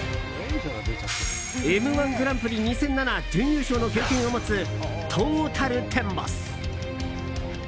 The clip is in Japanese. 「Ｍ‐１グランプリ２００７」準優勝の経験を持つトータルテンボス！